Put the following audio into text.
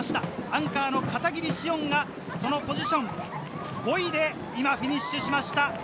アンカーの片桐紫音がそのポジション、５位で今、フィニッシュしました。